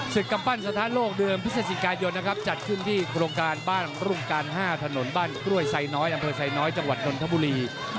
กำปั้นสถานโลกเดือนพฤศจิกายนนะครับจัดขึ้นที่โครงการบ้านรุ่งการ๕ถนนบ้านกล้วยไซน้อยอำเภอไซน้อยจังหวัดนนทบุรี